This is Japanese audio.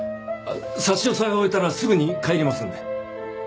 差し押さえを終えたらすぐに帰りますので。